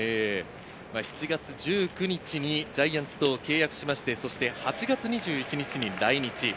７月１９日にジャイアンツと契約しまして、８月２１日に来日。